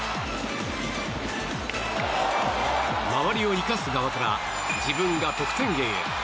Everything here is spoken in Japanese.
周りを生かす側から自分が得点源へ。